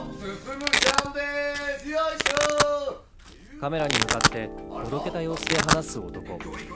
カメラに向かっておどけた様子で話す男。